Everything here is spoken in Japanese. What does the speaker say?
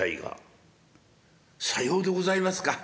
「さようでございますか。